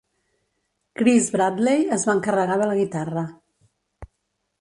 Chris Bradley es va encarregar de la guitarra.